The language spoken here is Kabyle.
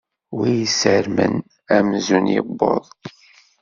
Win isarmen amzun iwweḍ.